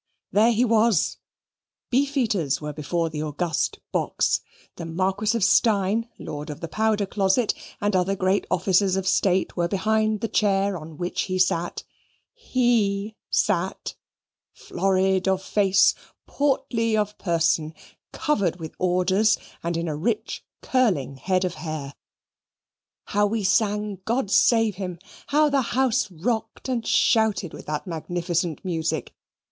There he was. Beefeaters were before the august box; the Marquis of Steyne (Lord of the Powder Closet) and other great officers of state were behind the chair on which he sat, HE sat florid of face, portly of person, covered with orders, and in a rich curling head of hair how we sang God save him! How the house rocked and shouted with that magnificent music.